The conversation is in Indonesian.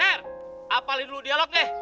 her apalin dulu dialog deh